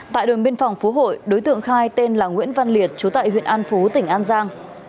tại đồn biên phòng phú hội đối tượng khai tên là nguyễn văn liệt chú tại huyện an phú tỉnh an giang